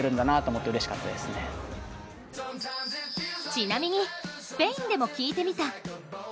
ちなみにスペインでも聞いてみた。